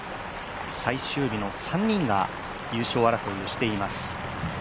最終日の３人が優勝争いをしています。